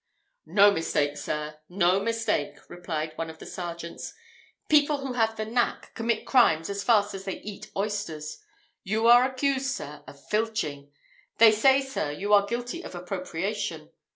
"No mistake, sir! no mistake!" replied one of the sergeants. "People who have the knack, commit crimes as fast as I can eat oysters. You are accused, sir, of filching. They say, sir, you are guilty of appropriation.